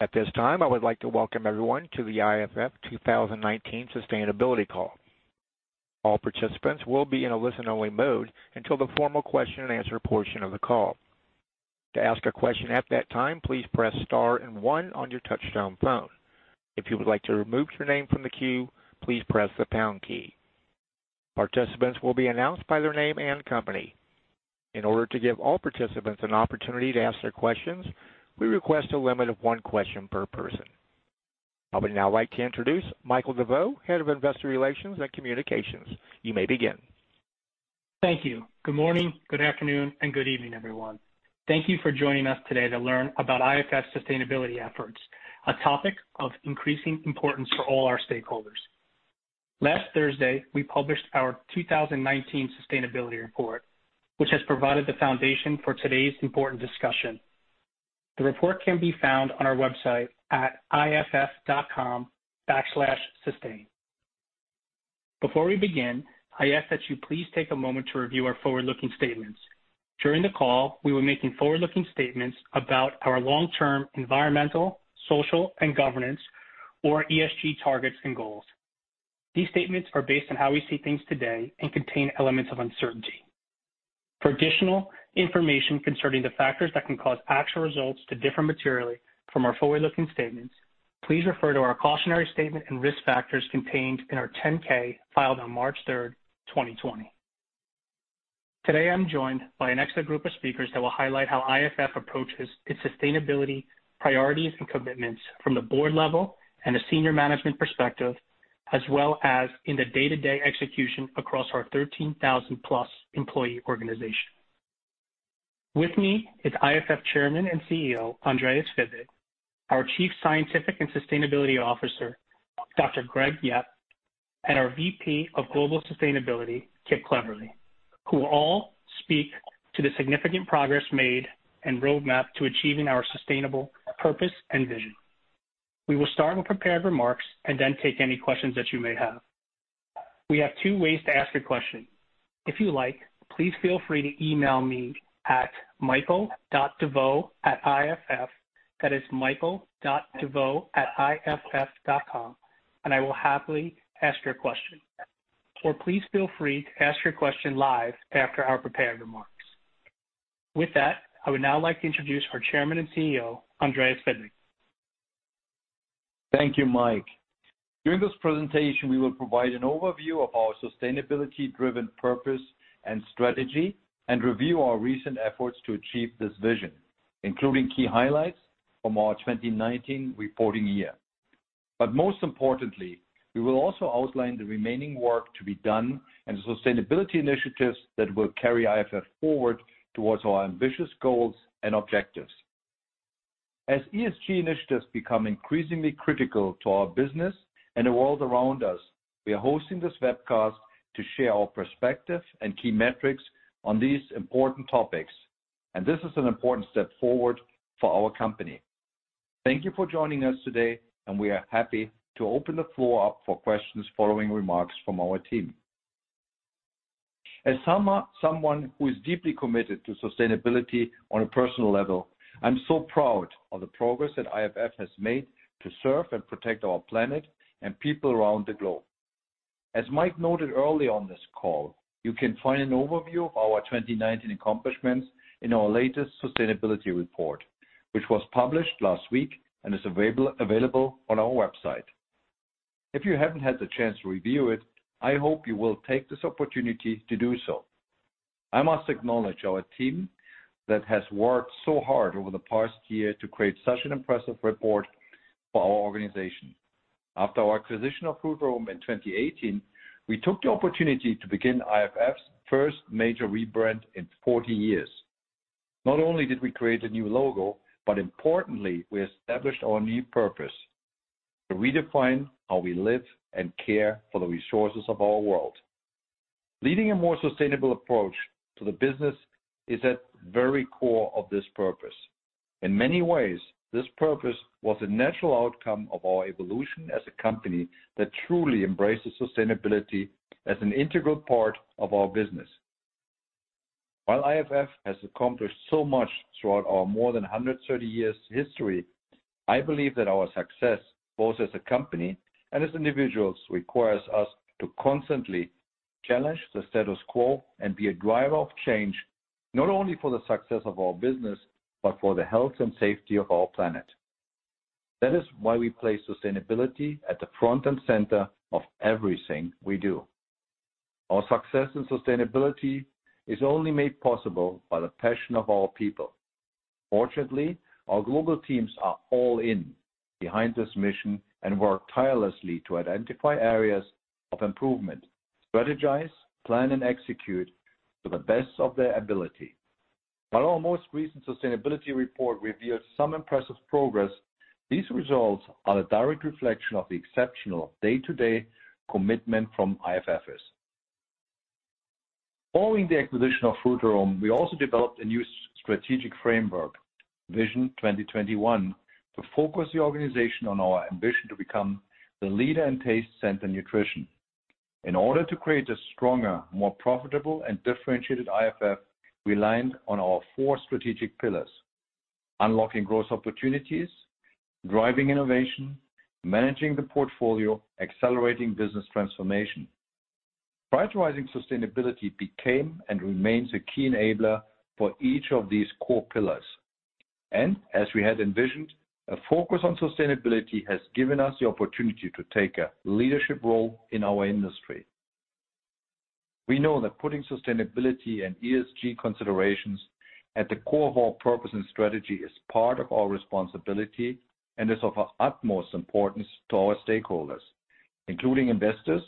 At this time, I would like to welcome everyone to the IFF 2019 Sustainability Call. All participants will be in a listen-only mode until the formal question and answer portion of the call. To ask a question at that time, please press star and 1 on your touchtone phone. If you would like to remove your name from the queue, please press the pound key. Participants will be announced by their name and company. In order to give all participants an opportunity to ask their questions, we request a limit of one question per person. I would now like to introduce Michael DeVeau, Head of Investor Relations and Communications. You may begin. Thank you. Good morning, good afternoon, and good evening, everyone. Thank you for joining us today to learn about IFF's sustainability efforts, a topic of increasing importance for all our stakeholders. Last Thursday, we published our 2019 sustainability report, which has provided the foundation for today's important discussion. The report can be found on our website at iff.com/sustain. Before we begin, I ask that you please take a moment to review our forward-looking statements. During the call, we will be making forward-looking statements about our long-term environmental, social, and governance or ESG targets and goals. These statements are based on how we see things today and contain elements of uncertainty. For additional information concerning the factors that can cause actual results to differ materially from our forward-looking statements, please refer to our cautionary statement and risk factors contained in our 10-K filed on March 3rd, 2020. Today, I'm joined by an expert group of speakers that will highlight how IFF approaches its sustainability priorities and commitments from the board level and a senior management perspective, as well as in the day-to-day execution across our 13,000-plus employee organization. With me is IFF Chairman and CEO, Andreas Fibig, our Chief Scientific and Sustainability Officer, Dr. Greg Yep, and our VP of Global Sustainability, Kip Cleverley, who will all speak to the significant progress made and roadmap to achieving our sustainable purpose and vision. We will start with prepared remarks and then take any questions that you may have. We have two ways to ask a question. If you like, please feel free to email me at michael.deveau@iff, that is michael.deveau@iff.com, and I will happily ask your question. Please feel free to ask your question live after our prepared remarks. With that, I would now like to introduce our Chairman and CEO, Andreas Fibig. Thank you, Mike. During this presentation, we will provide an overview of our sustainability-driven purpose and strategy and review our recent efforts to achieve this vision, including key highlights from our 2019 reporting year. Most importantly, we will also outline the remaining work to be done and the sustainability initiatives that will carry IFF forward towards our ambitious goals and objectives. As ESG initiatives become increasingly critical to our business and the world around us, we are hosting this webcast to share our perspective and key metrics on these important topics, and this is an important step forward for our company. Thank you for joining us today, and we are happy to open the floor up for questions following remarks from our team. As someone who is deeply committed to sustainability on a personal level, I'm so proud of the progress that IFF has made to serve and protect our planet and people around the globe. As Mike noted early on this call, you can find an overview of our 2019 accomplishments in our latest sustainability report, which was published last week and is available on our website. If you haven't had the chance to review it, I hope you will take this opportunity to do so. I must acknowledge our team that has worked so hard over the past year to create such an impressive report for our organization. After our acquisition of Frutarom in 2018, we took the opportunity to begin IFF's first major rebrand in 40 years. Not only did we create a new logo, Importantly, we established our new purpose, to redefine how we live and care for the resources of our world. Leading a more sustainable approach to the business is at the very core of this purpose. In many ways, this purpose was a natural outcome of our evolution as a company that truly embraces sustainability as an integral part of our business. While IFF has accomplished so much throughout our more than 130 years history, I believe that our success, both as a company and as individuals, requires us to constantly challenge the status quo and be a driver of change, not only for the success of our business, but for the health and safety of our planet. That is why we place sustainability at the front and center of everything we do. Our success in sustainability is only made possible by the passion of our people. Fortunately, our global teams are all in behind this mission and work tirelessly to identify areas of improvement, strategize, plan, and execute to the best of their ability. While our most recent sustainability report reveals some impressive progress, these results are a direct reflection of the exceptional day-to-day commitment from IFFers. Following the acquisition of Frutarom, we also developed a new strategic framework, Vision 2021, to focus the organization on our ambition to become the leader in taste, scent, and nutrition. In order to create a stronger, more profitable, and differentiated IFF, we relied on our four strategic pillars: unlocking growth opportunities, driving innovation, managing the portfolio, accelerating business transformation. Prioritizing sustainability became, and remains, a key enabler for each of these core pillars. As we had envisioned, a focus on sustainability has given us the opportunity to take a leadership role in our industry. We know that putting sustainability and ESG considerations at the core of our purpose and strategy is part of our responsibility and is of utmost importance to our stakeholders, including investors,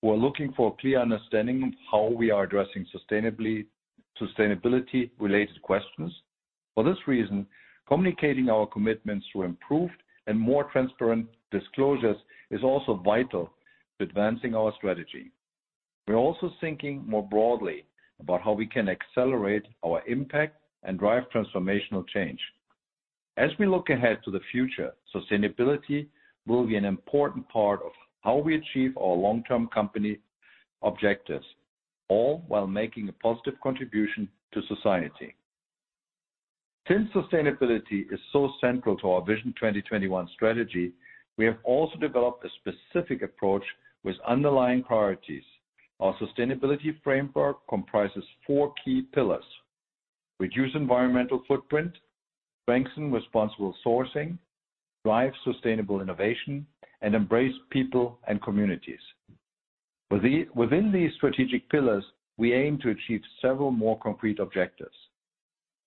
who are looking for a clear understanding of how we are addressing sustainability-related questions. For this reason, communicating our commitments through improved and more transparent disclosures is also vital to advancing our strategy. We're also thinking more broadly about how we can accelerate our impact and drive transformational change. As we look ahead to the future, sustainability will be an important part of how we achieve our long-term company objectives, all while making a positive contribution to society. Since sustainability is so central to our Vision 2021 strategy, we have also developed a specific approach with underlying priorities. Our sustainability framework comprises four key pillars: reduce environmental footprint, strengthen responsible sourcing, drive sustainable innovation, and embrace people and communities. Within these strategic pillars, we aim to achieve several more concrete objectives.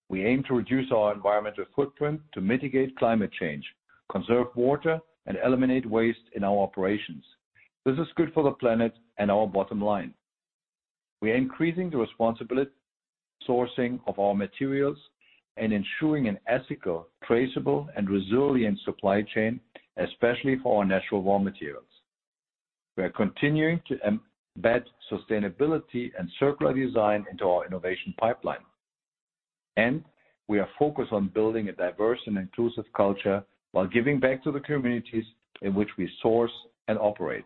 We aim to reduce our environmental footprint to mitigate climate change, conserve water, and eliminate waste in our operations. This is good for the planet and our bottom line. We are increasing the responsible sourcing of our materials and ensuring an ethical, traceable, and resilient supply chain, especially for our natural raw materials. We are continuing to embed sustainability and circular design into our innovation pipeline. We are focused on building a diverse and inclusive culture while giving back to the communities in which we source and operate.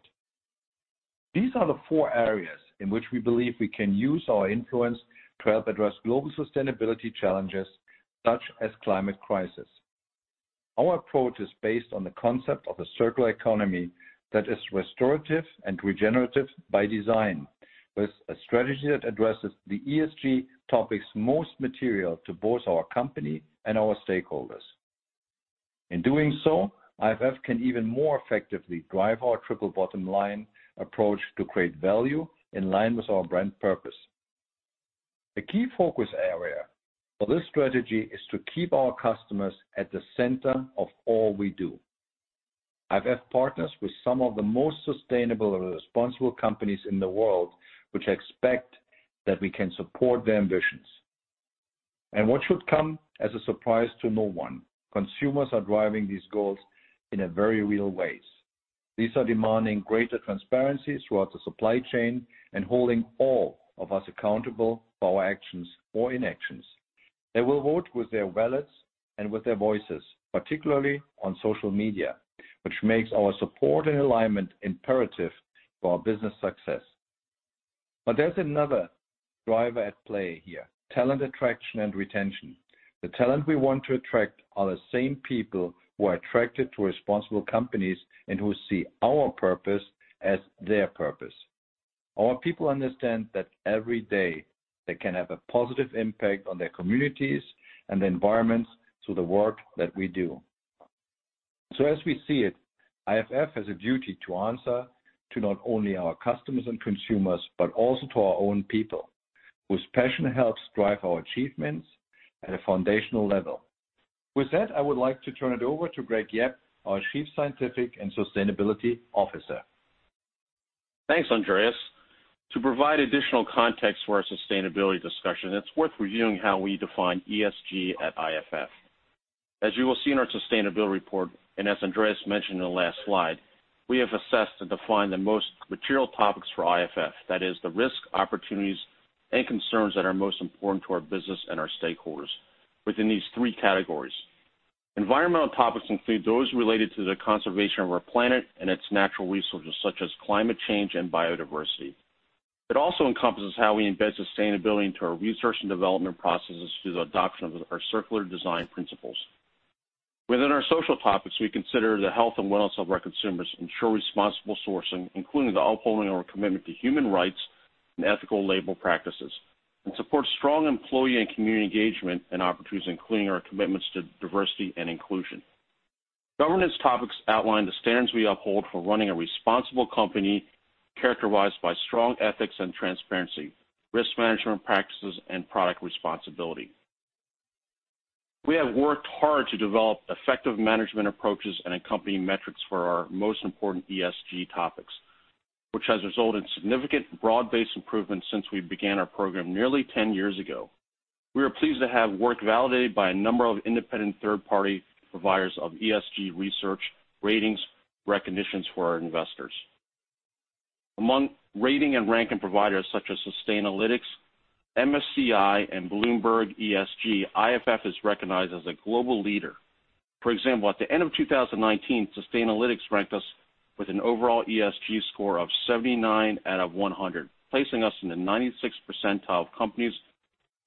These are the four areas in which we believe we can use our influence to help address global sustainability challenges, such as climate crisis. Our approach is based on the concept of a circular economy that is restorative and regenerative by design, with a strategy that addresses the ESG topics most material to both our company and our stakeholders. In doing so, IFF can even more effectively drive our triple bottom line approach to create value in line with our brand purpose. A key focus area for this strategy is to keep our customers at the center of all we do. IFF partners with some of the most sustainable and responsible companies in the world, which expect that we can support their ambitions. What should come as a surprise to no one, consumers are driving these goals in very real ways. These are demanding greater transparency throughout the supply chain and holding all of us accountable for our actions or inactions. They will vote with their wallets and with their voices, particularly on social media, which makes our support and alignment imperative for our business success. There's another driver at play here, talent attraction and retention. The talent we want to attract are the same people who are attracted to responsible companies and who see our purpose as their purpose. Our people understand that every day they can have a positive impact on their communities and the environment through the work that we do. As we see it, IFF has a duty to answer to not only our customers and consumers, but also to our own people, whose passion helps drive our achievements at a foundational level. With that, I would like to turn it over to Greg Yep, our Chief Scientific and Sustainability Officer. Thanks, Andreas. To provide additional context for our sustainability discussion, it's worth reviewing how we define ESG at IFF. As you will see in our sustainability report, as Andreas mentioned in the last slide, we have assessed and defined the most material topics for IFF. That is, the risk, opportunities, and concerns that are most important to our business and our stakeholders within these three categories. Environmental topics include those related to the conservation of our planet and its natural resources, such as climate change and biodiversity. It also encompasses how we embed sustainability into our research and development processes through the adoption of our circular design principles. Within our social topics, we consider the health and wellness of our consumers to ensure responsible sourcing, including the upholding of our commitment to human rights and ethical labor practices, and support strong employee and community engagement and opportunities, including our commitments to diversity and inclusion. Governance topics outline the standards we uphold for running a responsible company characterized by strong ethics and transparency, risk management practices, and product responsibility. We have worked hard to develop effective management approaches and accompanying metrics for our most important ESG topics, which has resulted in significant broad-based improvements since we began our program nearly 10 years ago. We are pleased to have work validated by a number of independent third-party providers of ESG research, ratings, recognitions for our investors. Among rating and ranking providers such as Sustainalytics, MSCI and Bloomberg ESG, IFF is recognized as a global leader. For example, at the end of 2019, Sustainalytics ranked us with an overall ESG score of 79 out of 100, placing us in the 96th percentile of companies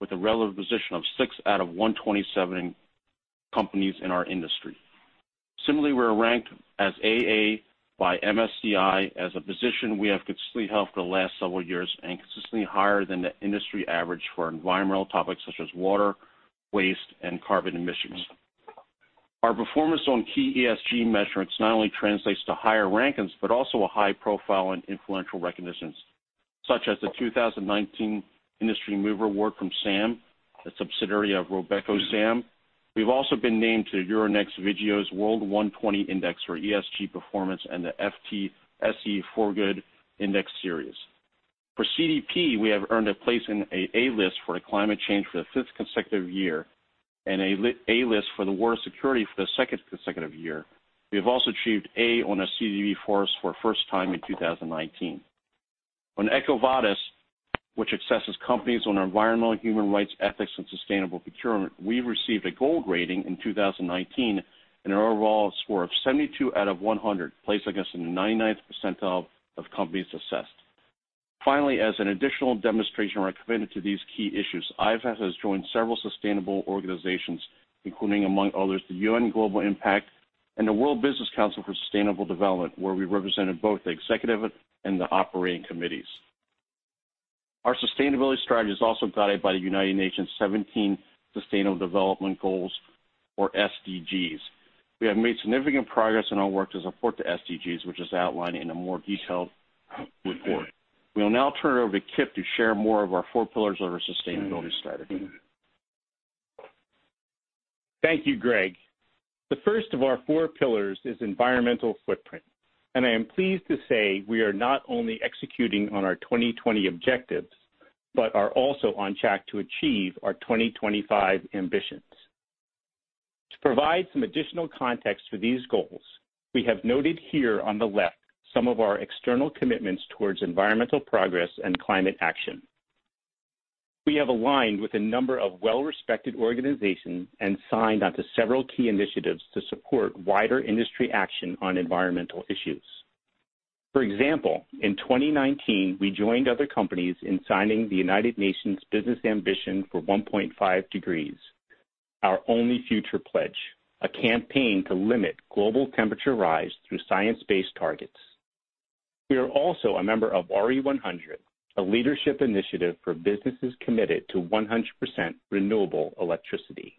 with a relative position of six out of 127 companies in our industry. Similarly, we are ranked as AA by MSCI as a position we have consistently held for the last several years and consistently higher than the industry average for environmental topics such as water, waste, and carbon emissions. Our performance on key ESG measurements not only translates to higher rankings, but also a high profile on influential recognitions such as the 2019 Industry Mover Award from SAM, the subsidiary of RobecoSAM. We've also been named to the Euronext Vigeo's World 120 index for ESG performance and the FTSE4Good Index Series. For CDP, we have earned a place in an A List for climate change for the fifth consecutive year and an A List for water security for the second consecutive year. We have also achieved A on our CDP Forest for the first time in 2019. On EcoVadis, which assesses companies on environmental, human rights, ethics, and sustainable procurement, we received a Gold rating in 2019 and an overall score of 72 out of 100, placing us in the 99th percentile of companies assessed. Finally, as an additional demonstration of our commitment to these key issues, IFF has joined several sustainable organizations, including, among others, the UN Global Compact and the World Business Council for Sustainable Development, where we represented both the executive and the operating committees. Our sustainability strategy is also guided by the United Nations' 17 Sustainable Development Goals, or SDGs. We have made significant progress in our work to support the SDGs, which is outlined in a more detailed report. We will now turn it over to Kip to share more of our four pillars of our sustainability strategy. Thank you, Greg. The first of our four pillars is environmental footprint, and I am pleased to say we are not only executing on our 2020 objectives, but are also on track to achieve our 2025 ambitions. To provide some additional context for these goals, we have noted here on the left some of our external commitments toward environmental progress and climate action. We have aligned with a number of well-respected organizations and signed onto several key initiatives to support wider industry action on environmental issues. For example, in 2019, we joined other companies in signing the United Nations Business Ambition for 1.5°C, Our Only Future pledge, a campaign to limit global temperature rise through science-based targets. We are also a member of RE100, a leadership initiative for businesses committed to 100% renewable electricity.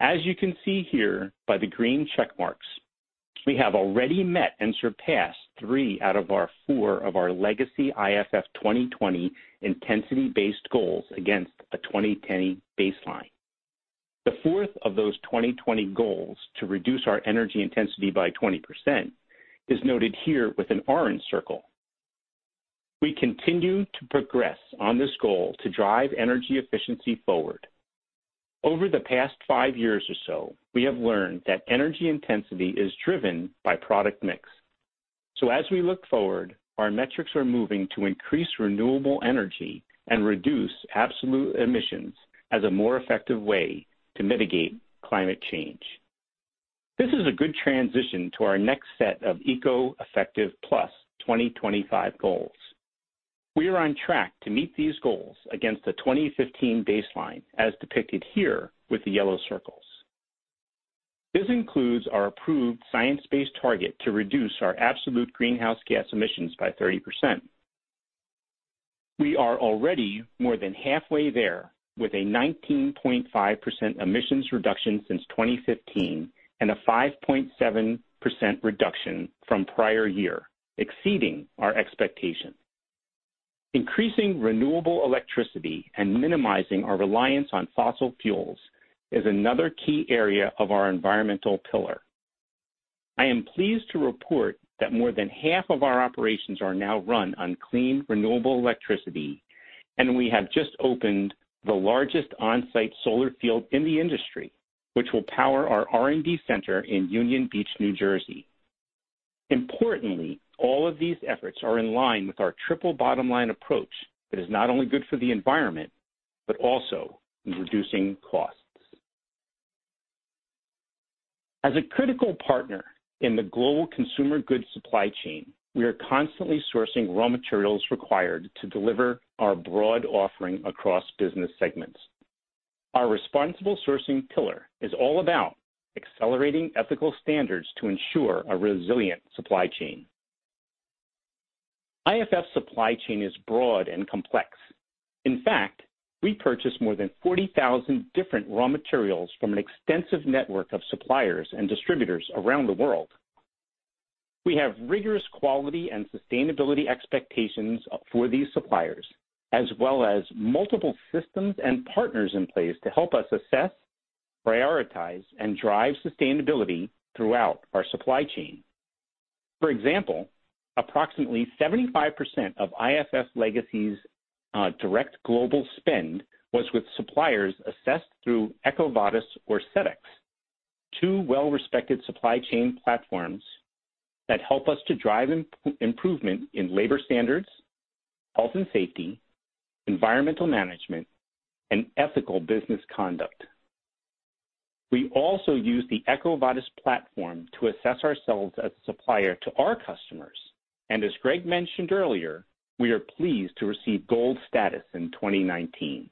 As you can see here by the green check marks, we have already met and surpassed three out of our four of our legacy IFF 2020 intensity-based goals against a 2020 baseline. The fourth of those 2020 goals, to reduce our energy intensity by 20%, is noted here with an orange circle. We continue to progress on this goal to drive energy efficiency forward. Over the past five years or so, we have learned that energy intensity is driven by product mix. As we look forward, our metrics are moving to increase renewable energy and reduce absolute emissions as a more effective way to mitigate climate change. This is a good transition to our next set of EcoEffective+ 2025 goals. We are on track to meet these goals against the 2015 baseline, as depicted here with the yellow circles. This includes our approved science-based target to reduce our absolute greenhouse gas emissions by 30%. We are already more than halfway there with a 19.5% emissions reduction since 2015 and a 5.7% reduction from prior year, exceeding our expectation. Increasing renewable electricity and minimizing our reliance on fossil fuels is another key area of our environmental pillar. I am pleased to report that more than half of our operations are now run on clean, renewable electricity, and we have just opened the largest on-site solar field in the industry, which will power our R&D center in Union Beach, New Jersey. Importantly, all of these efforts are in line with our triple bottom line approach that is not only good for the environment, but also in reducing costs. As a critical partner in the global consumer goods supply chain, we are constantly sourcing raw materials required to deliver our broad offering across business segments. Our responsible sourcing pillar is all about accelerating ethical standards to ensure a resilient supply chain. IFF's supply chain is broad and complex. In fact, we purchase more than 40,000 different raw materials from an extensive network of suppliers and distributors around the world. We have rigorous quality and sustainability expectations for these suppliers, as well as multiple systems and partners in place to help us assess, prioritize, and drive sustainability throughout our supply chain. For example, approximately 75% of IFF Legacy's direct global spend was with suppliers assessed through EcoVadis or Sedex, two well-respected supply chain platforms that help us to drive improvement in labor standards, health and safety, environmental management, and ethical business conduct. We also use the EcoVadis platform to assess ourselves as a supplier to our customers, and as Greg mentioned earlier, we are pleased to receive Gold status in 2019.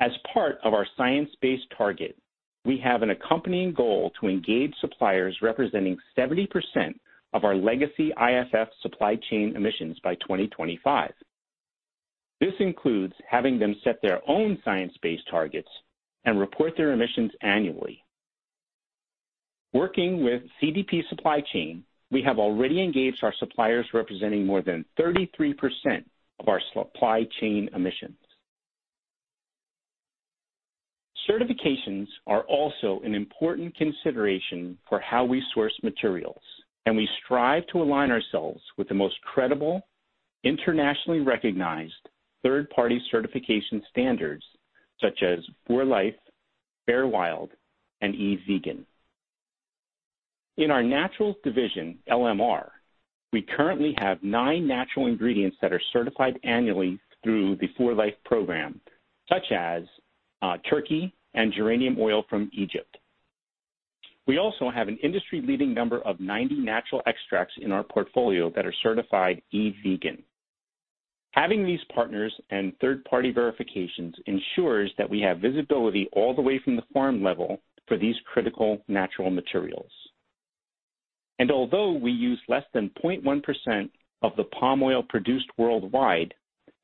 As part of our science-based target, we have an accompanying goal to engage suppliers representing 70% of our legacy IFF supply chain emissions by 2025. This includes having them set their own science-based targets and report their emissions annually. Working with CDP Supply Chain, we have already engaged our suppliers representing more than 33% of our supply chain emissions. Certifications are also an important consideration for how we source materials, and we strive to align ourselves with the most credible, internationally recognized third-party certification standards such as Fair for Life, FairWild, and EVE Vegan®. In our Naturals division, LMR, we currently have nine natural ingredients that are certified annually through the Fair for Life program, such as turmeric and geranium oil from Egypt. We also have an industry-leading number of 90 natural extracts in our portfolio that are certified EVE Vegan. Having these partners and third-party verifications ensures that we have visibility all the way from the farm level for these critical natural materials. Although we use less than 0.1% of the palm oil produced worldwide,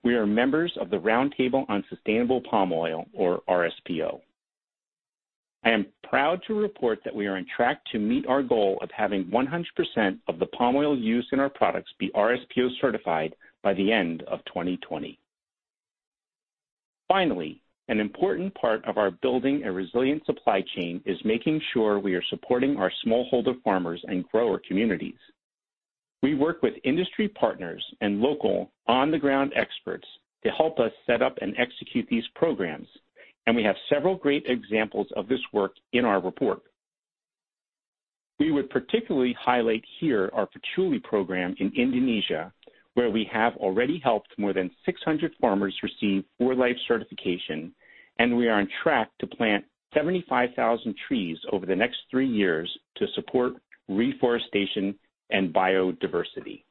we are members of the Roundtable on Sustainable Palm Oil, or RSPO. I am proud to report that we are on track to meet our goal of having 100% of the palm oil used in our products be RSPO certified by the end of 2020. An important part of our building a resilient supply chain is making sure we are supporting our smallholder farmers and grower communities. We work with industry partners and local on-the-ground experts to help us set up and execute these programs, and we have several great examples of this work in our report. We would particularly highlight here our patchouli program in Indonesia, where we have already helped more than 600 farmers receive For Life certification, and we are on track to plant 75,000 trees over the next three years to support reforestation and biodiversity.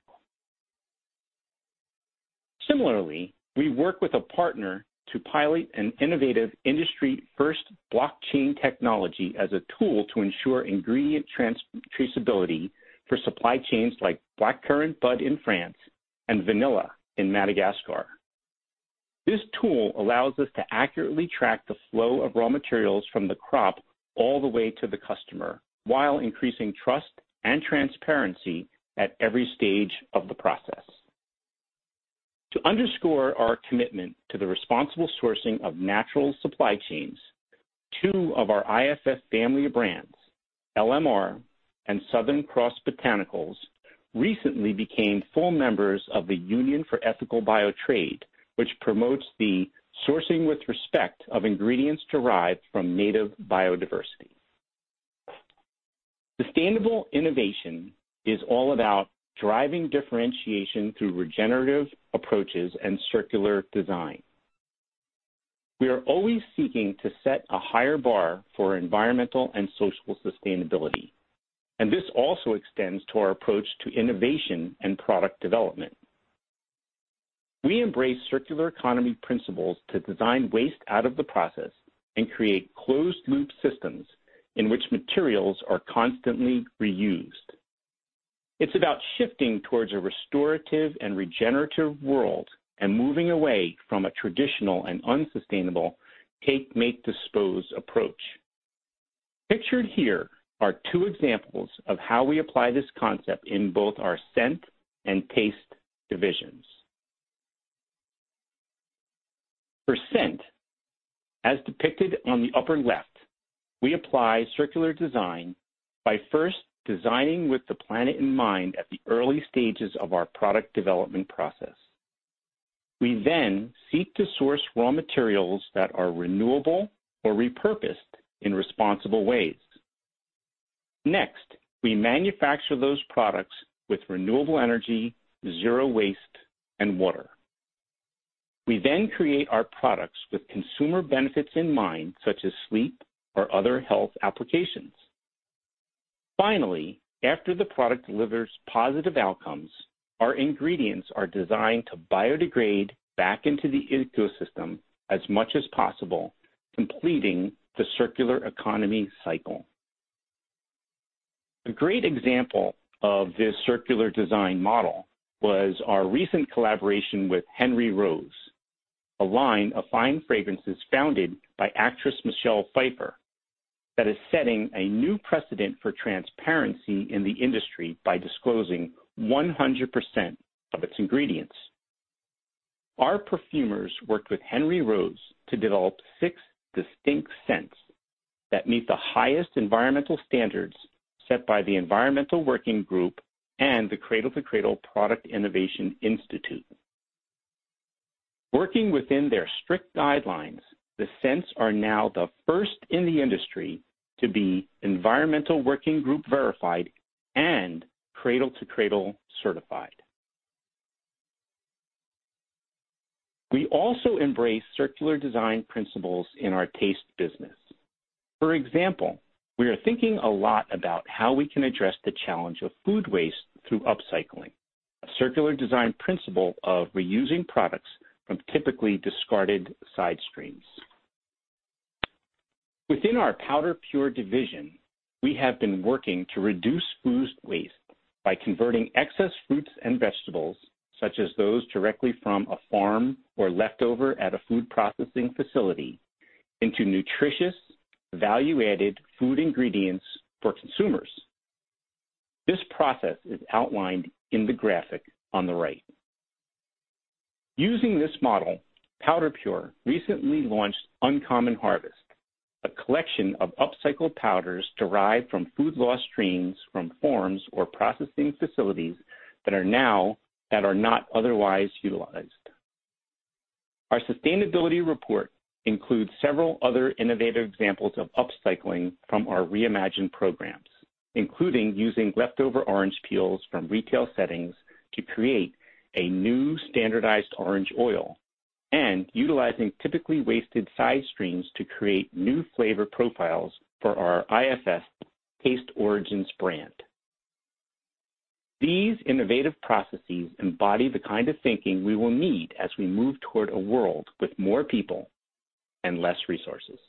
Similarly, we work with a partner to pilot an innovative industry-first blockchain technology as a tool to ensure ingredient traceability for supply chains like blackcurrant bud in France and vanilla in Madagascar. This tool allows us to accurately track the flow of raw materials from the crop all the way to the customer while increasing trust and transparency at every stage of the process. To underscore our commitment to the responsible sourcing of natural supply chains, two of our IFF family of brands, LMR and Southern Cross Botanicals, recently became full members of the Union for Ethical BioTrade, which promotes the sourcing with respect of ingredients derived from native biodiversity. Sustainable innovation is all about driving differentiation through regenerative approaches and circular design. We are always seeking to set a higher bar for environmental and social sustainability, and this also extends to our approach to innovation and product development. We embrace circular economy principles to design waste out of the process and create closed-loop systems in which materials are constantly reused. It's about shifting towards a restorative and regenerative world and moving away from a traditional and unsustainable take, make, dispose approach. Pictured here are two examples of how we apply this concept in both our scent and taste divisions. For scent, as depicted on the upper left, we apply circular design by first designing with the planet in mind at the early stages of our product development process. We seek to source raw materials that are renewable or repurposed in responsible ways. We manufacture those products with renewable energy, zero waste, and water. We create our products with consumer benefits in mind, such as sleep or other health applications. Finally, after the product delivers positive outcomes, our ingredients are designed to biodegrade back into the ecosystem as much as possible, completing the circular economy cycle. A great example of this circular design model was our recent collaboration with Henry Rose, a line of fine fragrances founded by actress Michelle Pfeiffer that is setting a new precedent for transparency in the industry by disclosing 100% of its ingredients. Our perfumers worked with Henry Rose to develop six distinct scents that meet the highest environmental standards set by the Environmental Working Group and the Cradle to Cradle Products Innovation Institute. Working within their strict guidelines, the scents are now the first in the industry to be Environmental Working Group verified and Cradle to Cradle Certified. We also embrace circular design principles in our taste business. For example, we are thinking a lot about how we can address the challenge of food waste through upcycling, a circular design principle of reusing products from typically discarded side streams. Within our PowderPure division, we have been working to reduce food waste by converting excess fruits and vegetables, such as those directly from a farm or leftover at a food processing facility, into nutritious, value-added food ingredients for consumers. This process is outlined in the graphic on the right. Using this model, PowderPure recently launched Uncommon Harvest, a collection of upcycled powders derived from food loss streams from farms or processing facilities that are not otherwise utilized. Our sustainability report includes several other innovative examples of upcycling from our reimagined programs, including using leftover orange peels from retail settings to create a new standardized orange oil, and utilizing typically wasted side streams to create new flavor profiles for our IFF Taste Origins brand. These innovative processes embody the kind of thinking we will need as we move toward a world with more people and less resources.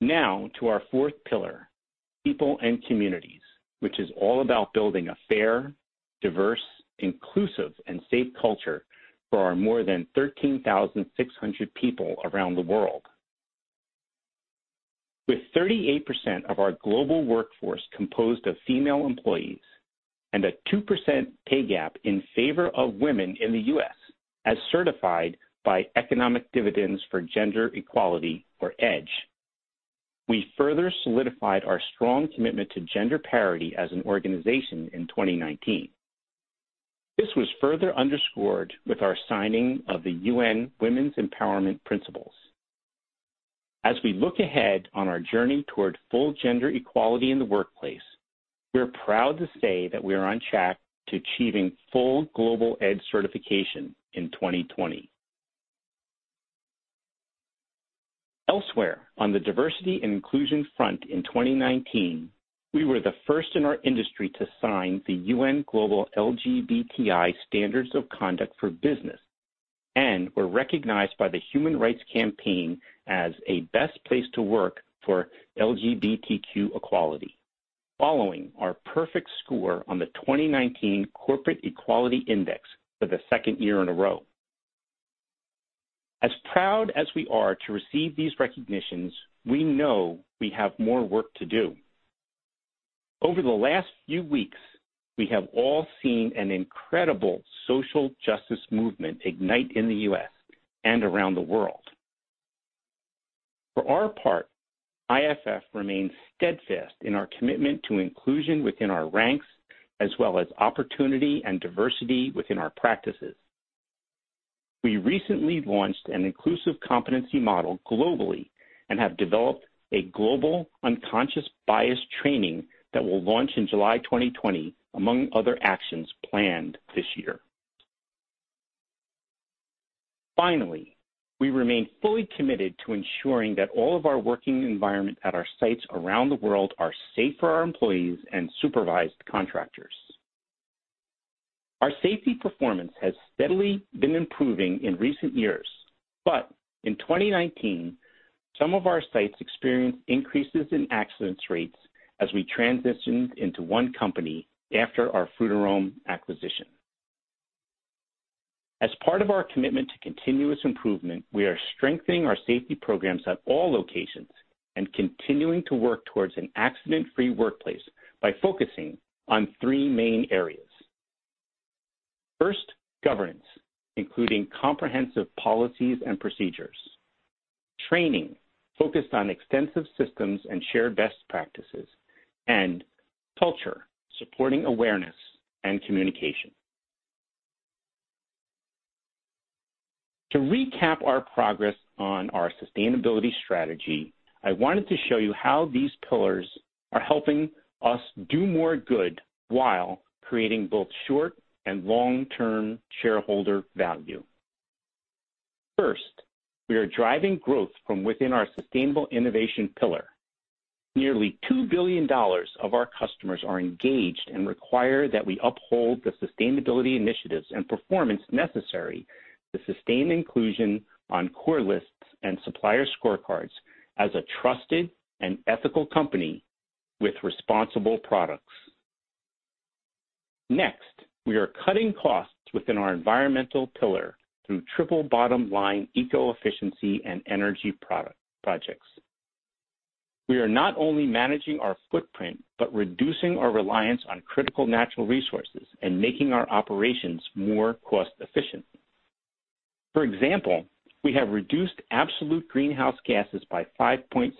Now to our fourth pillar, people and communities, which is all about building a fair, diverse, inclusive, and safe culture for our more than 13,600 people around the world. With 38% of our global workforce composed of female employees and a 2% pay gap in favor of women in the U.S. as certified by Economic Dividends for Gender Equality, or EDGE, we further solidified our strong commitment to gender parity as an organization in 2019. This was further underscored with our signing of the UN Women's Empowerment Principles. As we look ahead on our journey toward full gender equality in the workplace, we're proud to say that we are on track to achieving full global EDGE certification in 2020. Elsewhere, on the diversity and inclusion front in 2019, we were the first in our industry to sign the UN Global LGBTI Standards of Conduct for Business and were recognized by the Human Rights Campaign as a Best Place to Work for LGBTQ equality following our perfect score on the 2019 Corporate Equality Index for the second year in a row. As proud as we are to receive these recognitions, we know we have more work to do. Over the last few weeks, we have all seen an incredible social justice movement ignite in the U.S. and around the world. For our part, IFF remains steadfast in our commitment to inclusion within our ranks, as well as opportunity and diversity within our practices. We recently launched an inclusive competency model globally and have developed a global unconscious bias training that will launch in July 2020, among other actions planned this year. Finally, we remain fully committed to ensuring that all of our working environment at our sites around the world are safe for our employees and supervised contractors. Our safety performance has steadily been improving in recent years. In 2019, some of our sites experienced increases in accidents rates as we transitioned into one company after our Frutarom acquisition. As part of our commitment to continuous improvement, we are strengthening our safety programs at all locations and continuing to work towards an accident-free workplace by focusing on three main areas. First, governance, including comprehensive policies and procedures. Training focused on extensive systems and shared best practices, and culture, supporting awareness and communication. To recap our progress on our sustainability strategy, I wanted to show you how these pillars are helping us do more good while creating both short- and long-term shareholder value. First, we are driving growth from within our sustainable innovation pillar. Nearly $2 billion of our customers are engaged and require that we uphold the sustainability initiatives and performance necessary to sustain inclusion on core lists and supplier scorecards as a trusted and ethical company with responsible products. Next, we are cutting costs within our environmental pillar through triple bottom line eco-efficiency and energy projects. We are not only managing our footprint, but reducing our reliance on critical natural resources and making our operations more cost efficient. For example, we have reduced absolute greenhouse gases by 5.7%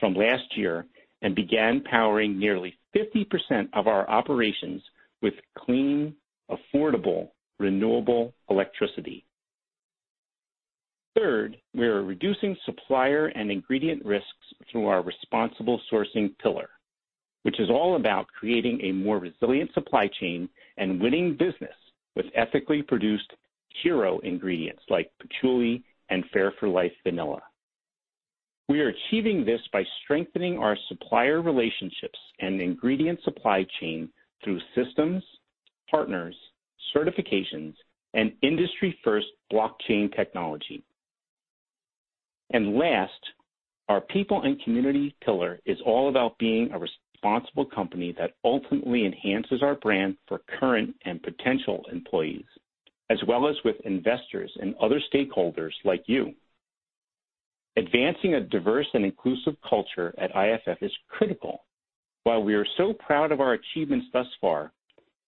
from last year and began powering nearly 50% of our operations with clean, affordable, renewable electricity. We are reducing supplier and ingredient risks through our responsible sourcing pillar, which is all about creating a more resilient supply chain and winning business with ethically produced hero ingredients like patchouli and Fair for Life vanilla. We are achieving this by strengthening our supplier relationships and ingredient supply chain through systems, partners, certifications, and industry first blockchain technology. Last, our people and community pillar is all about being a responsible company that ultimately enhances our brand for current and potential employees, as well as with investors and other stakeholders like you. Advancing a diverse and inclusive culture at IFF is critical. While we are so proud of our achievements thus far,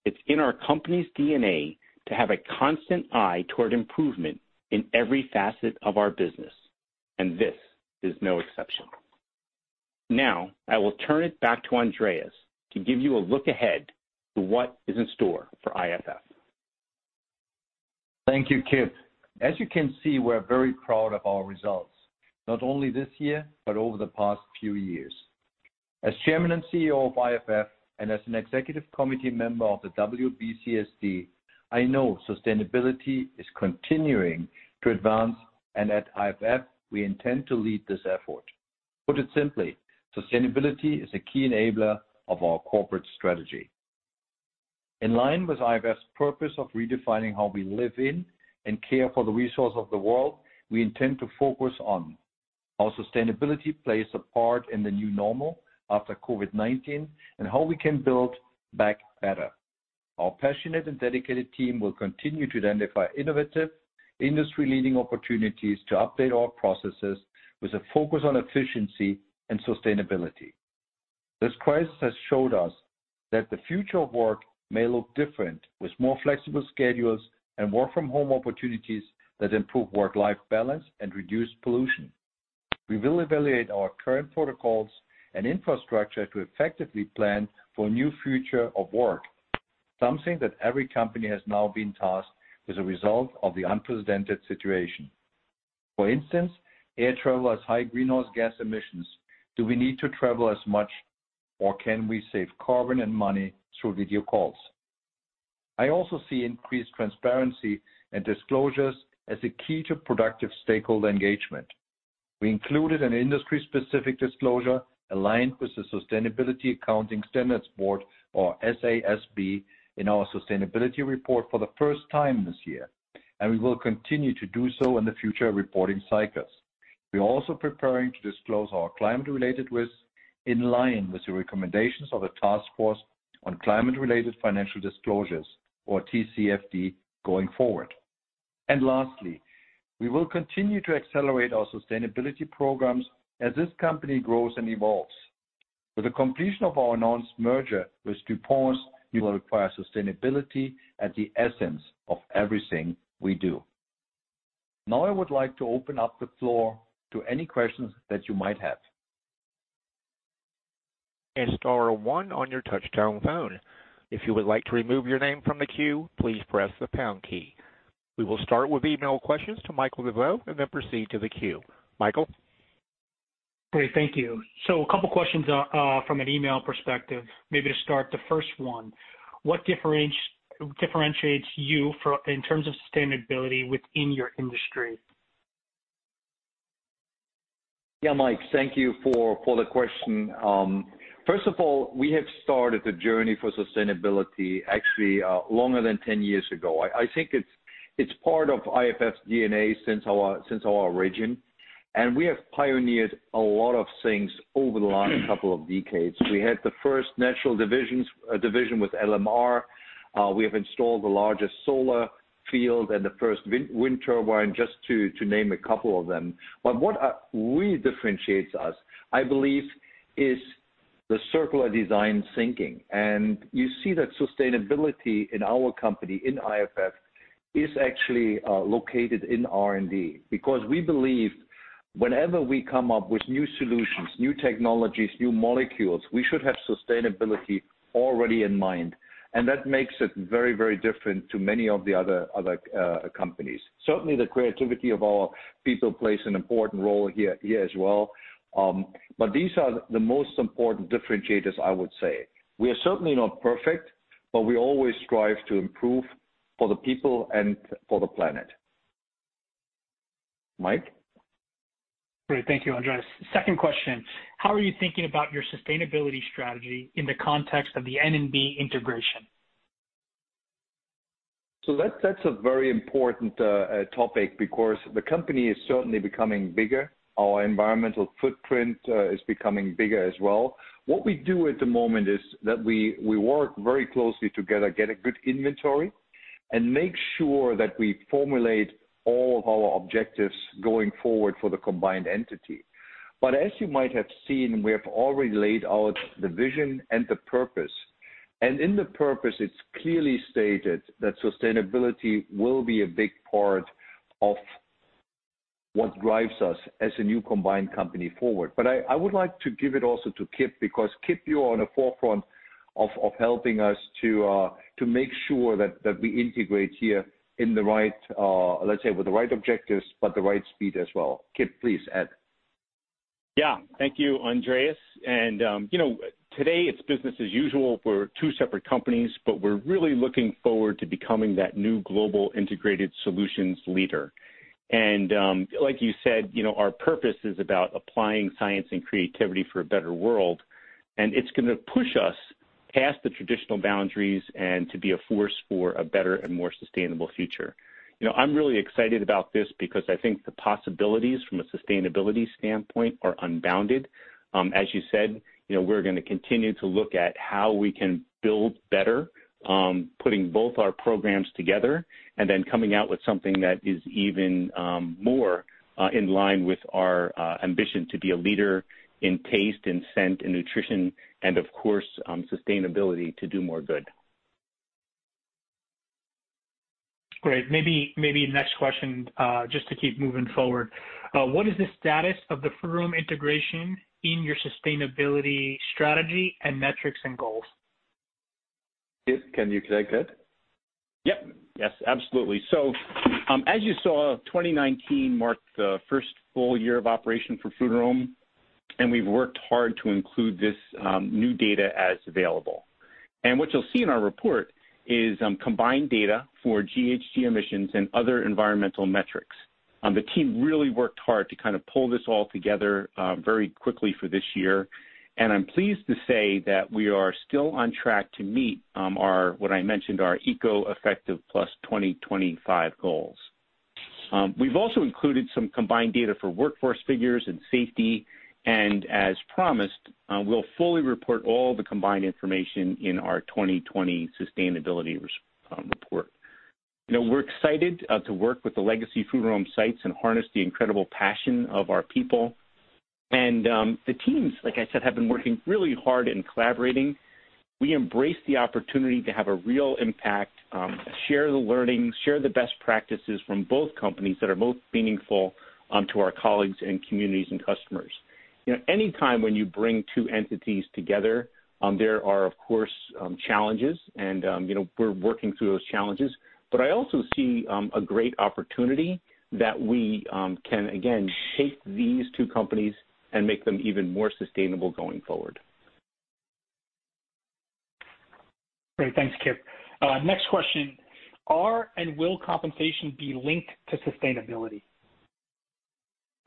it's in our company's DNA to have a constant eye toward improvement in every facet of our business, and this is no exception. I will turn it back to Andreas to give you a look ahead to what is in store for IFF. Thank you, Kip. As you can see, we're very proud of our results, not only this year, but over the past few years. As Chairman and Chief Executive Officer of IFF and as an executive committee member of the WBCSD, I know sustainability is continuing to advance, and at IFF, we intend to lead this effort. Put it simply, sustainability is a key enabler of our corporate strategy. In line with IFF's purpose of redefining how we live in and care for the resource of the world, we intend to focus on how sustainability plays a part in the new normal after COVID-19, and how we can build back better. Our passionate and dedicated team will continue to identify innovative, industry-leading opportunities to update our processes with a focus on efficiency and sustainability. This crisis has showed us that the Future of Work may look different, with more flexible schedules and work from home opportunities that improve work-life balance and reduce pollution. We will evaluate our current protocols and infrastructure to effectively plan for a new Future of Work, something that every company has now been tasked as a result of the unprecedented situation. For instance, air travel has high greenhouse gas emissions. Do we need to travel as much, or can we save carbon and money through video calls? I also see increased transparency and disclosures as a key to productive stakeholder engagement. We included an industry-specific disclosure aligned with the Sustainability Accounting Standards Board, or SASB, in our sustainability report for the first time this year, and we will continue to do so in the future reporting cycles. We are also preparing to disclose our climate-related risks in line with the recommendations of the Task Force on Climate-related Financial Disclosures, or TCFD, going forward. Lastly, we will continue to accelerate our sustainability programs as this company grows and evolves. With the completion of our announced merger with DuPont, we will require sustainability at the essence of everything we do. Now, I would like to open up the floor to any questions that you might have. Star one on your touchtone phone. If you would like to remove your name from the queue, please press the pound key. We will start with email questions to Michael DeVeau, then proceed to the queue. Michael? Great. Thank you. A couple questions from an email perspective. Maybe to start the first one, what differentiates you in terms of sustainability within your industry? Mike, thank you for the question. First of all, we have started the journey for sustainability actually longer than 10 years ago. I think it's part of IFF's DNA since our origin, and we have pioneered a lot of things over the last couple of decades. We had the first natural division with LMR. We have installed the largest solar field and the first wind turbine, just to name a couple of them. What really differentiates us, I believe, is the circular design thinking. You see that sustainability in our company, in IFF, is actually located in R&D, because we believe whenever we come up with new solutions, new technologies, new molecules, we should have sustainability already in mind, and that makes it very different to many of the other companies. Certainly, the creativity of our people plays an important role here as well. These are the most important differentiators, I would say. We are certainly not perfect, but we always strive to improve for the people and for the planet. Mike? Great. Thank you, Andreas. Second question, how are you thinking about your sustainability strategy in the context of the N&B integration? That's a very important topic, because the company is certainly becoming bigger. Our environmental footprint is becoming bigger as well. What we do at the moment is that we work very closely together, get a good inventory, and make sure that we formulate all of our objectives going forward for the combined entity. As you might have seen, we have already laid out the vision and the purpose. And in the purpose, it's clearly stated that sustainability will be a big part of what drives us as a new combined company forward. I would like to give it also to Kip, because Kip, you are on the forefront of helping us to make sure that we integrate here in the right, let's say, with the right objectives, but the right speed as well. Kip, please add. Yeah. Thank you, Andreas. Today it's business as usual for two separate companies, but we're really looking forward to becoming that new global integrated solutions leader. Like you said, our purpose is about applying science and creativity for a better world, and it's going to push us past the traditional boundaries and to be a force for a better and more sustainable future. I'm really excited about this because I think the possibilities from a sustainability standpoint are unbounded. As you said, we're going to continue to look at how we can build better, putting both our programs together and then coming out with something that is even more in line with our ambition to be a leader in taste and scent and nutrition and of course, sustainability to do more good. Great. Maybe next question, just to keep moving forward. What is the status of the Frutarom integration in your sustainability strategy and metrics and goals? Kip, can you take that? Yep. Yes, absolutely. As you saw, 2019 marked the first full year of operation for Frutarom, and we've worked hard to include this new data as available. What you'll see in our report is combined data for GHG emissions and other environmental metrics. The team really worked hard to kind of pull this all together very quickly for this year, and I'm pleased to say that we are still on track to meet our, what I mentioned, our EcoEffective+ 2025 goals. We've also included some combined data for workforce figures and safety, and as promised, we'll fully report all the combined information in our 2020 sustainability report. We're excited to work with the legacy Frutarom sites and harness the incredible passion of our people. The teams, like I said, have been working really hard in collaborating. We embrace the opportunity to have a real impact, share the learning, share the best practices from both companies that are most meaningful to our colleagues and communities and customers. Any time when you bring two entities together, there are of course, challenges and we're working through those challenges. I also see a great opportunity that we can again shape these two companies and make them even more sustainable going forward. Great. Thanks, Kip. Next question. Are and will compensation be linked to sustainability?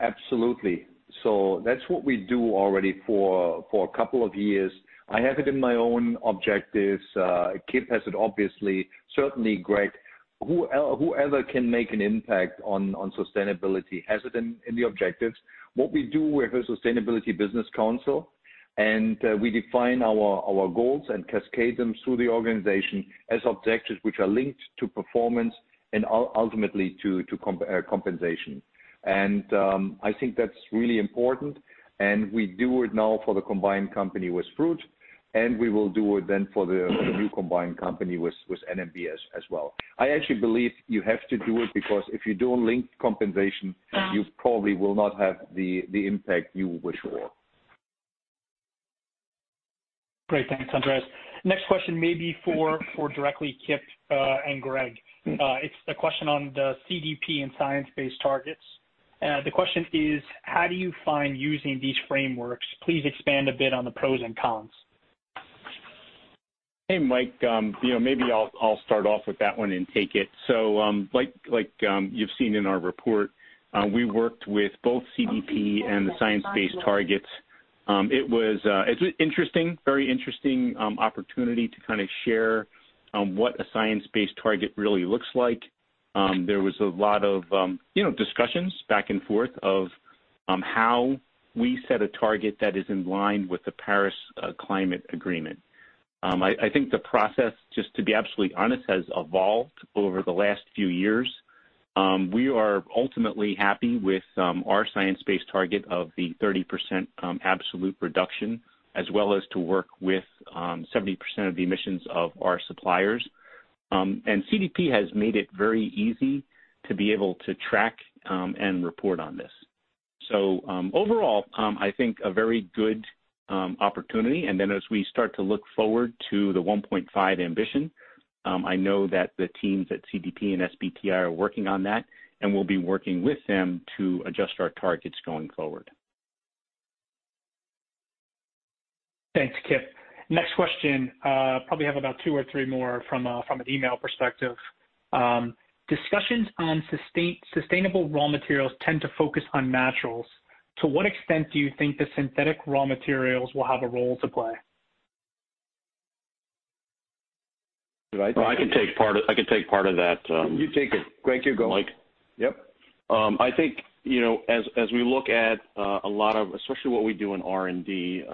Absolutely. That's what we do already for a couple of years. I have it in my own objectives. Kip has it obviously, certainly Greg. Whoever can make an impact on sustainability has it in the objectives. What we do with the Sustainability Business Council, we define our goals and cascade them through the organization as objectives which are linked to performance and ultimately to compensation. I think that's really important, and we do it now for the combined company with Fruit, and we will do it then for the new combined company with N&B as well. I actually believe you have to do it because if you don't link compensation, you probably will not have the impact you wish for. Great. Thanks, Andreas. Next question maybe for directly Kip and Greg. It's the question on the CDP and science-based targets. The question is. How do you find using these frameworks? Please expand a bit on the pros and cons. Hey, Mike. Maybe I'll start off with that one and take it. Like you've seen in our report, we worked with both CDP and the science-based targets. It's interesting, very interesting opportunity to kind of share what a science-based target really looks like. There was a lot of discussions back and forth of how we set a target that is in line with the Paris Climate Agreement. I think the process, just to be absolutely honest, has evolved over the last few years. We are ultimately happy with our science-based target of the 30% absolute reduction, as well as to work with 70% of the emissions of our suppliers. CDP has made it very easy to be able to track and report on this. Overall, I think a very good opportunity. As we start to look forward to the 1.5 Ambition, I know that the teams at CDP and SBTi are working on that, and we'll be working with them to adjust our targets going forward. Thanks, Kip. Next question. Probably have about two or three more from an email perspective. Discussions on sustainable raw materials tend to focus on naturals. To what extent do you think the synthetic raw materials will have a role to play? Did I take that? I can take part of that. You take it. Greg, you go. Mike? Yep. I think, as we look at a lot of, especially what we do in R&D,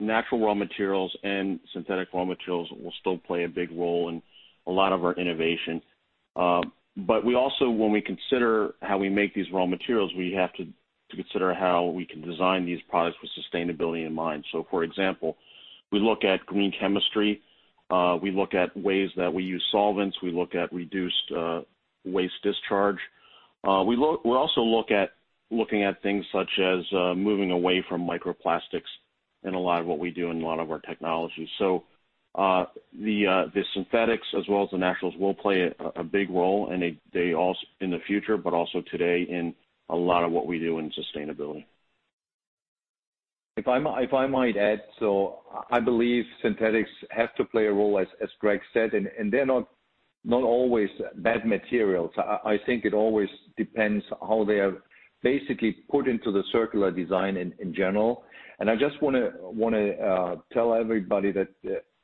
natural raw materials and synthetic raw materials will still play a big role in a lot of our innovation. We also, when we consider how we make these raw materials, we have to consider how we can design these products with sustainability in mind. For example, we look at green chemistry, we look at ways that we use solvents. We look at reduced waste discharge. We're also looking at things such as moving away from microplastics in a lot of what we do in a lot of our technologies. The synthetics as well as the naturals will play a big role in the future, but also today in a lot of what we do in sustainability. If I might add, I believe synthetics have to play a role, as Greg said, and they're not always bad materials. I think it always depends how they are basically put into the circular design in general. I just want to tell everybody that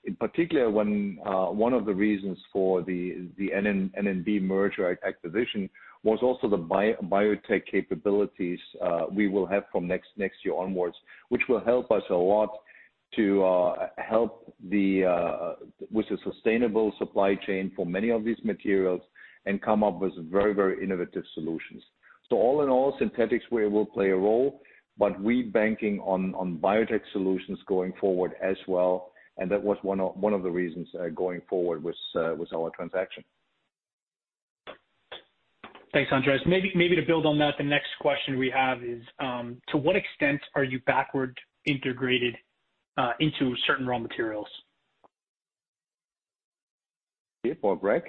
in particular, one of the reasons for the N&B merger acquisition was also the biotech capabilities we will have from next year onwards, which will help us a lot to help with the sustainable supply chain for many of these materials and come up with very innovative solutions. All in all, synthetics will play a role, but we're banking on biotech solutions going forward as well, and that was one of the reasons going forward with our transaction. Thanks, Andreas. Maybe to build on that, the next question we have is, to what extent are you backward integrated into certain raw materials? Kip or Greg?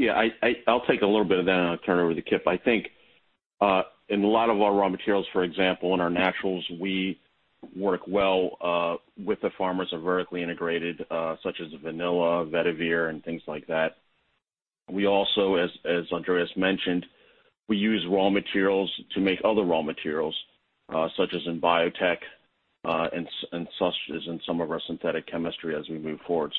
Yeah, I'll take a little bit of that and I'll turn it over to Kip. I think, in a lot of our raw materials, for example, in our naturals, we work well with the farmers who are vertically integrated, such as vanilla, vetiver, and things like that. We also, as Andreas mentioned, we use raw materials to make other raw materials, such as in biotech, and such as in some of our synthetic chemistry as we move forward.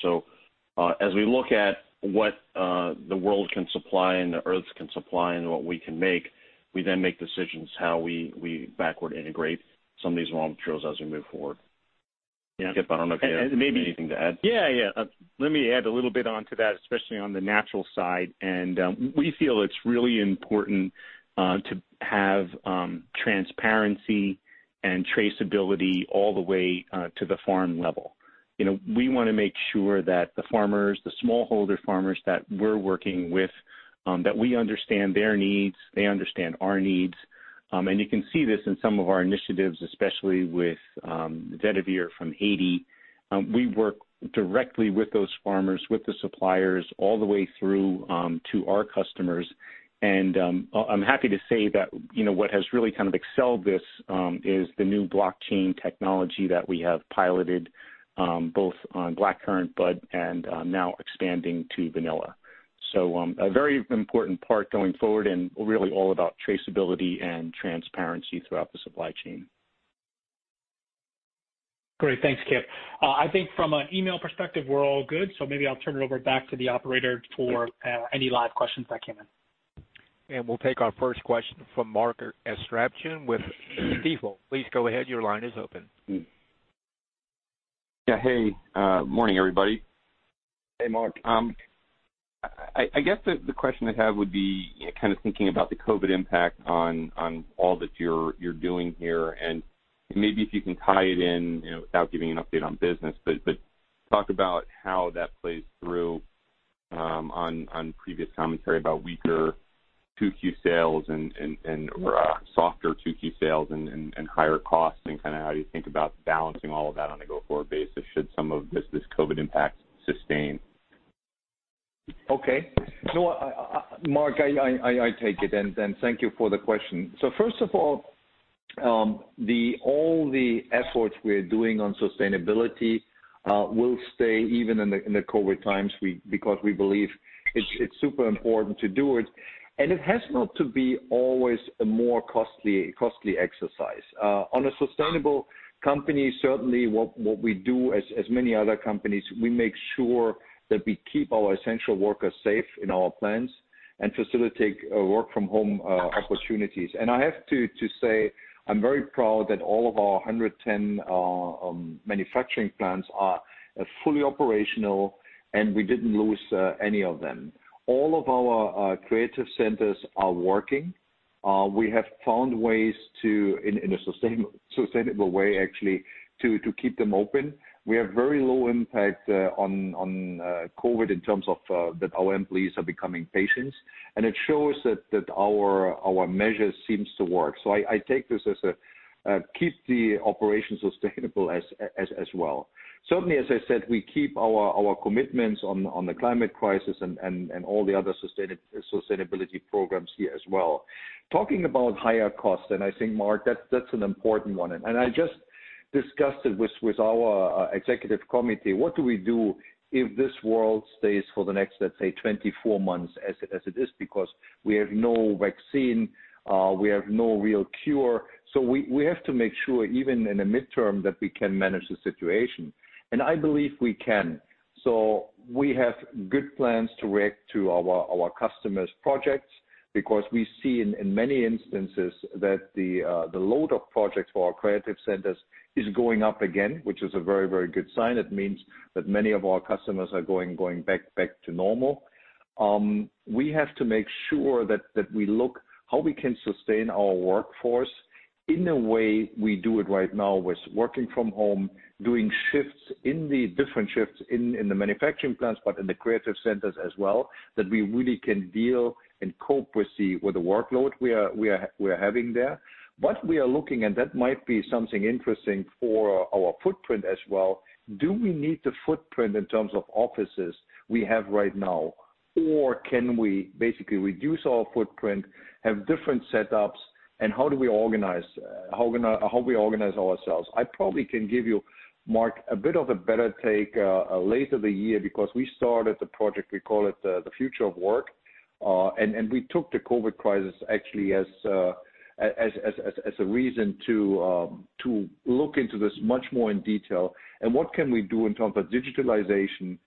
As we look at what the world can supply and the earth can supply and what we can make, we then make decisions how we backward integrate some of these raw materials as we move forward. Yeah. Kip, I don't know if you have anything to add? Yeah. Let me add a little bit onto that, especially on the natural side. We feel it's really important to have transparency and traceability all the way to the farm level. We want to make sure that the farmers, the smallholder farmers that we're working with, that we understand their needs, they understand our needs. You can see this in some of our initiatives, especially with vetiver from Haiti. We work directly with those farmers, with the suppliers, all the way through to our customers. I'm happy to say that what has really kind of excelled this, is the new blockchain technology that we have piloted, both on blackcurrant and now expanding to vanilla. A very important part going forward and really all about traceability and transparency throughout the supply chain. Great. Thanks, Kipp. I think from an email perspective, we're all good, so maybe I'll turn it over back to the operator for any live questions that came in. We'll take our first question from Mark Astrachan with Stifel. Please go ahead. Your line is open. Yeah. Hey, morning everybody. Hey, Mark. I guess the question I have would be kind of thinking about the COVID impact on all that you're doing here, and maybe if you can tie it in without giving an update on business. Talk about how that plays through on previous commentary about weaker 2Q sales and softer 2Q sales and higher costs and kind of how you think about balancing all of that on a go-forward basis should some of this COVID impact sustain. Okay. Mark, I take it and thank you for the question. First of all the efforts we're doing on sustainability will stay even in the COVID times because we believe it's super important to do it, and it has not to be always a more costly exercise. On a sustainable company, certainly what we do, as many other companies, we make sure that we keep our essential workers safe in our plants and facilitate work from home opportunities. I have to say, I'm very proud that all of our 110 manufacturing plants are fully operational, and we didn't lose any of them. All of our creative centers are working. We have found ways to, in a sustainable way, actually, to keep them open. We have very low impact on COVID-19 in terms of that our employees are becoming patients, and it shows that our measures seems to work. I take this as keep the operation sustainable as well. Certainly, as I said, we keep our commitments on the climate crisis and all the other sustainability programs here as well. Talking about higher costs, and I think, Mark, that's an important one, and I just discussed it with our executive committee. What do we do if this world stays for the next, let's say, 24 months as it is because we have no vaccine, we have no real cure. We have to make sure even in the midterm that we can manage the situation, and I believe we can. We have good plans to react to our customers' projects. Because we see in many instances that the load of projects for our creative centers is going up again, which is a very, very good sign. It means that many of our customers are going back to normal. We have to make sure that we look how we can sustain our workforce in a way we do it right now with working from home, doing shifts in the different shifts in the manufacturing plants, but in the creative centers as well, that we really can deal and cope with the workload we are having there. We are looking, and that might be something interesting for our footprint as well, do we need the footprint in terms of offices we have right now? Can we basically reduce our footprint, have different setups, and how we organize ourselves? I probably can give you, Mark Astrachan, a bit of a better take later the year because we started the project, we call it the Future of Work, and we took the COVID-19 crisis actually as a reason to look into this much more in detail and what can we do in terms of digitalization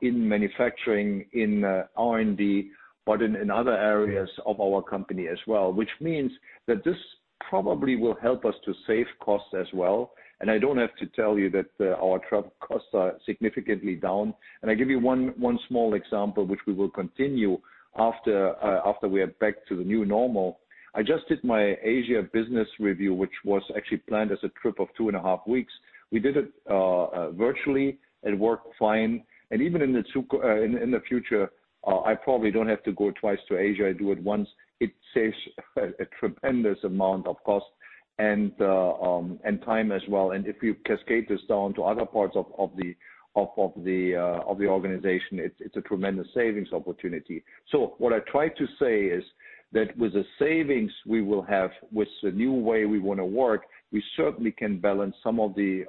in manufacturing, in R&D, but in other areas of our company as well. Which means that this probably will help us to save costs as well, and I don't have to tell you that our travel costs are significantly down. I give you one small example, which we will continue after we are back to the new normal. I just did my Asia business review, which was actually planned as a trip of two and a half weeks. We did it virtually. It worked fine. Even in the future, I probably don't have to go twice to Asia. I do it once. It saves a tremendous amount of cost and time as well. If you cascade this down to other parts of the organization, it's a tremendous savings opportunity. What I try to say is that with the savings we will have with the new way we want to work, we certainly can balance some of the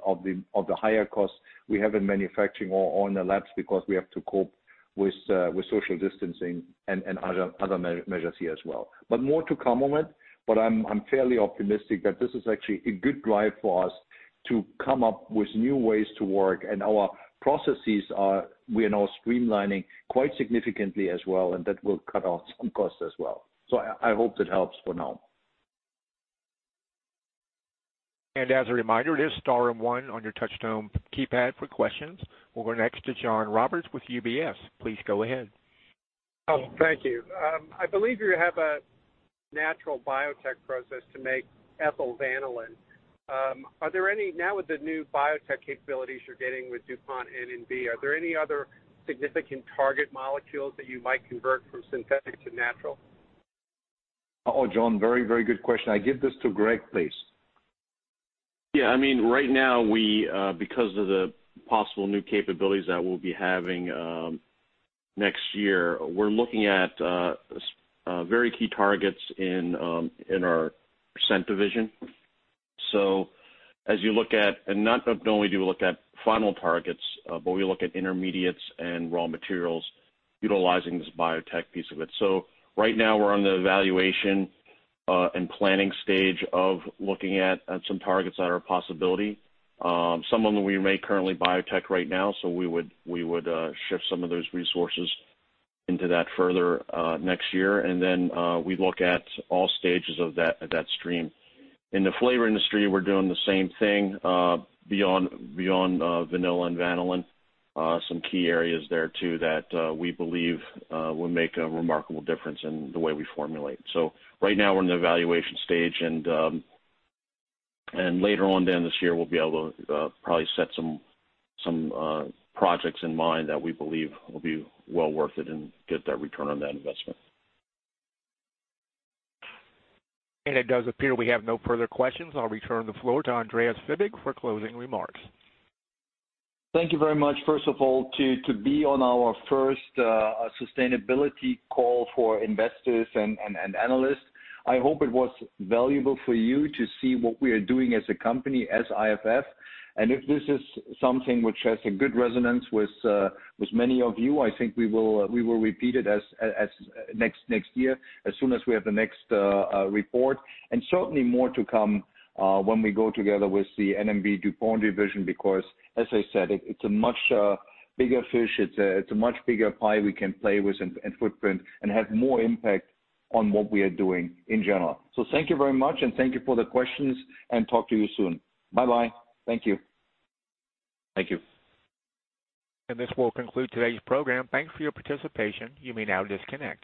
higher costs we have in manufacturing or in the labs because we have to cope with social distancing and other measures here as well. More to come on it, but I'm fairly optimistic that this is actually a good drive for us to come up with new ways to work, and our processes are, we are now streamlining quite significantly as well, and that will cut out some costs as well. I hope that helps for now. As a reminder, it is star and one on your touch tone keypad for questions. We'll go next to John Roberts with UBS. Please go ahead. Oh, thank you. I believe you have a natural biotech process to make ethyl vanillin. With the new biotech capabilities you're getting with DuPont N&B, are there any other significant target molecules that you might convert from synthetic to natural? Oh, John, very good question. I give this to Greg, please. Yeah, right now, because of the possible new capabilities that we'll be having next year, we're looking at very key targets in our scent division. As you look at, not only do we look at final targets, but we look at intermediates and raw materials utilizing this biotech piece of it. Right now we're on the evaluation and planning stage of looking at some targets that are a possibility. Some of them we make currently biotech right now, so we would shift some of those resources into that further next year. Then we look at all stages of that stream. In the flavor industry, we're doing the same thing beyond vanilla and vanillin. Some key areas there too that we believe will make a remarkable difference in the way we formulate. Right now we're in the evaluation stage and later on then this year, we'll be able to probably set some projects in mind that we believe will be well worth it and get that return on that investment. It does appear we have no further questions. I'll return the floor to Andreas Fibig for closing remarks. Thank you very much first of all to be on our first sustainability call for investors and analysts. I hope it was valuable for you to see what we are doing as a company, as IFF. If this is something which has a good resonance with many of you, I think we will repeat it next year as soon as we have the next report. Certainly more to come when we go together with the N&B DuPont division because as I said, it's a much bigger fish, it's a much bigger pie we can play with and footprint and have more impact on what we are doing in general. Thank you very much and thank you for the questions and talk to you soon. Bye-bye. Thank you. Thank you. This will conclude today's program. Thank you for your participation. You may now disconnect.